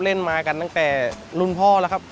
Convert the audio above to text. เล่นมากันตั้งแต่รุ่นพ่อแล้วครับ